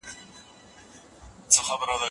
هغوی د داستان په اړه فکر کاوه.